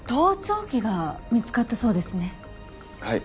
はい。